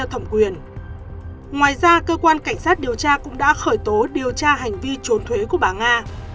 hội đồng đã khởi tố điều tra hành vi trốn thuế của bà nga